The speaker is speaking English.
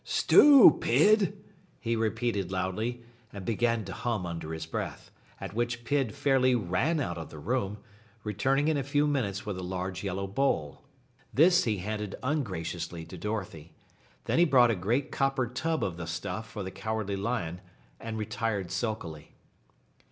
"Stew, Pid!" he repeated loudly, and began to hum under his breath, at which Pid fairly ran out of the room, returning in a few minutes with a large yellow bowl. This he handed ungraciously to Dorothy. Then he brought a great copper tub of the stuff for the Cowardly Lion and retired sulkily.